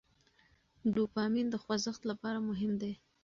ډوپامین د خوځښت لپاره مهم دی.